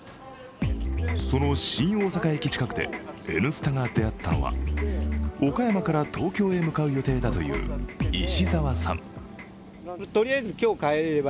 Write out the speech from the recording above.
その新大阪駅近くで「Ｎスタ」が出会ったのは岡山から東京へ向かう予定だという石澤さん。